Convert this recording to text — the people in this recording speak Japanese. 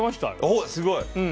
おおすごい！